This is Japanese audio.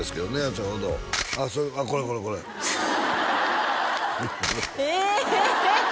ちょうどああこれこれこれえっ？え！